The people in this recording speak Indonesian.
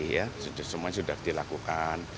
jadi ya semuanya sudah dilakukan